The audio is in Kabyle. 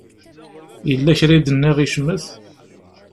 Yella kra i d-nniɣ yecmet?